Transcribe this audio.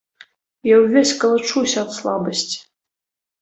Я ўвесь калачуся ад слабасцi.